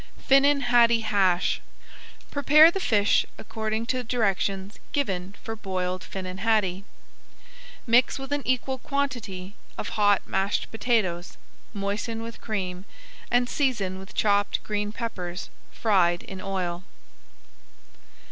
FINNAN HADDIE HASH Prepare the fish according to directions given for Boiled Finnan Haddie. Mix with an equal quantity of hot mashed potatoes, moisten with cream, and season with chopped green peppers fried in oil.